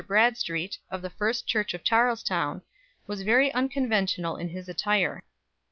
Bradstreet, of the First Church of Charlestown, was very unconventional in his attire.